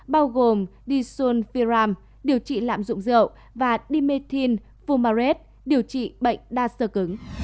bao gồm disulfiram điều trị lạm dụng rượu và dimethylfumarate điều trị bệnh đa sơ cứng